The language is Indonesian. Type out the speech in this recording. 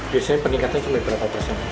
biasanya peningkatan sampai berapa persen